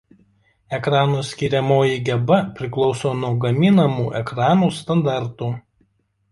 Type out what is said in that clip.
Ekrano skiriamoji geba priklauso nuo gaminamų ekranų standartų.